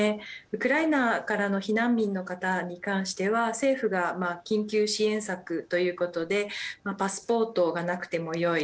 ウクライナからの避難民の方に関しては政府が緊急支援策ということでパスポートがなくてもよい。